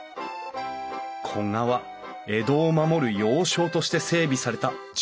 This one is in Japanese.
古河は江戸を守る要衝として整備された城下町。